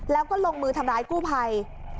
แล้วก็ลงมือทำร้ายกู้ภัย